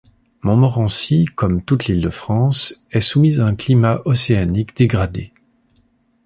Montmorency comme toute l’Île-de-France est soumis à un climat océanique dégradé.